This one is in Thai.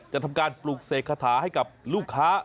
ทำการปลูกเสกคาถาให้กับลูกค้า